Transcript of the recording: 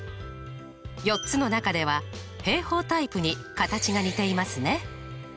４つの中では平方タイプに形が似ていますね。